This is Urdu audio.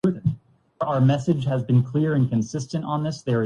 جیسے یہ مسئلہ پاکستان کو درپیش ہے۔